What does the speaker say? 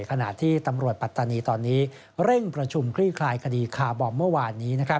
ขณะที่ตำรวจปัตตานีตอนนี้เร่งประชุมคลี่คลายคดีคาร์บอมเมื่อวานนี้